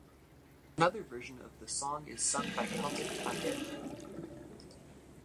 Another Version of the song is sung by Celtic Thunder.